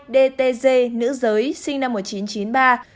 một mươi hai dtz nữ giới sinh năm một nghìn chín trăm chín mươi ba